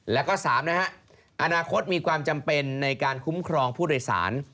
แล้วก็๓นะฮะอนาคตมีความจำเป็นในการคุ้มครองผู้โดยสาร